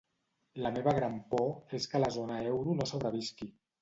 La meva gran por és que la zona euro no sobrevisqui.